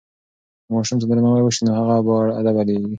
که ماشوم ته درناوی وسي نو هغه باادبه لویېږي.